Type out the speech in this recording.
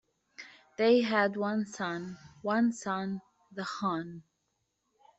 They had one son, one son, The Hon.